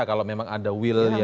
kalau memang ada will yang